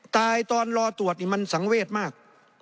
ตอนรอตรวจนี่มันสังเวทมาก